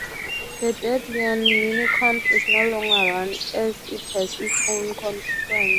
The Debian Miniconf is no longer run as it has its own conference.